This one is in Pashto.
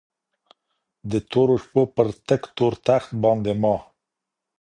د تورو شپو پر تك تور تخت باندي مــــــا